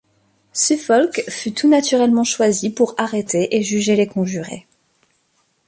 Suffolk fut tout naturellement choisi pour arrêter et juger les conjurés.